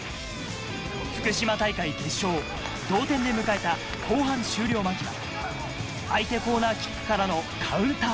福島大会決勝、同点で迎えた後半終了間際、相手コーナーキックからのカウンター。